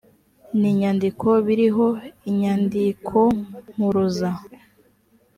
n inyandiko biriho inyandikompuruza